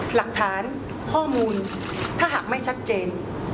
หลักฐานข้อมูลถ้าหากไม่ชัดเจน